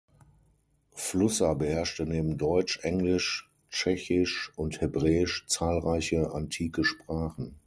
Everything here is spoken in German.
Flusser beherrschte neben Deutsch, Englisch, Tschechisch und Hebräisch zahlreiche antike Sprachen.